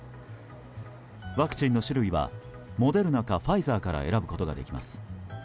ワクチンの種類はモデルナかファイザーから選ぶことができます。